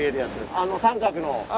あの三角の。